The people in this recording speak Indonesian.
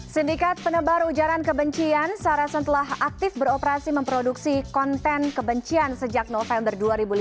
sindikat penebar ujaran kebencian sarasen telah aktif beroperasi memproduksi konten kebencian sejak november dua ribu lima belas